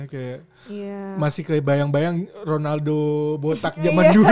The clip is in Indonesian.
kayak masih kayak bayang bayang ronaldo botak zaman dulu